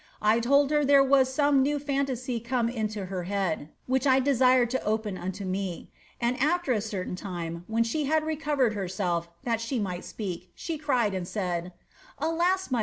I tnld her there was some new phantasy come into her head, which I desired to open unto me : and alter a certain lime, when she had recovered herself that she might speak, she cried, and said :— '"Alas, my L